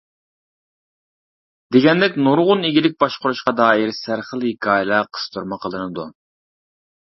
دېگەندەك نۇرغۇن ئىگىلىك باشقۇرۇشقا دائىر سەرخىل ھېكايىلەر قىستۇرما قىلىنىدۇ.